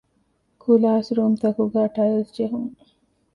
ކުލާސްރޫމްތަކުގައި ޓައިލްސް ޖެހުން